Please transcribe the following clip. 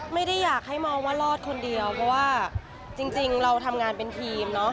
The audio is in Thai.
ไม่ได้อยากให้มองว่ารอดคนเดียวเพราะว่าจริงเราทำงานเป็นทีมเนอะ